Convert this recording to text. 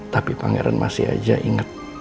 tapi pangeran masih aja ingat